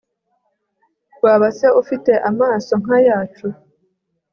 waba se ufite amaso nk'ayacu